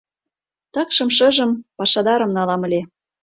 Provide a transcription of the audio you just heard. Такшым шыжым пашадарым налам ыле.